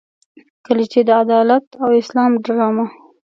کله چې د عدالت او اسلام ډرامه.